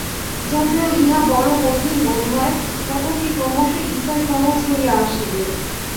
যদিও ইহা বড় কঠিন বোধ হয়, তথাপি ক্রমশ ইহা সহজ হইয়া আসিবে।